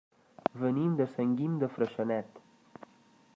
Venim de Sant Guim de Freixenet.